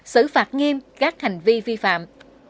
xử phạt nghiêm các hành vi vi phạm